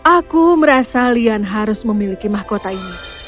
aku merasa lian harus memiliki mahkota ini